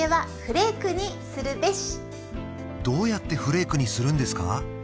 どうやってフレークにするんですか？